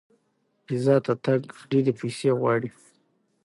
فضا ته تګ ډېرې پیسې غواړي.